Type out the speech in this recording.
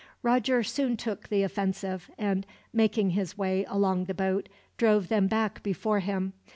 Roger soon took the offensive and, making his way along the boat, drove them back before him.